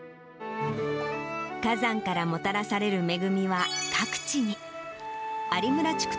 火山からもたらされる恵みは各地に。